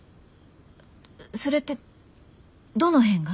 それってどの辺が？